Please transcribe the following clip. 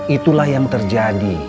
itulah yang terjadi